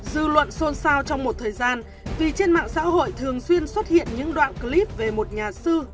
dư luận xôn xao trong một thời gian vì trên mạng xã hội thường xuyên xuất hiện những đoạn clip về một nhà sư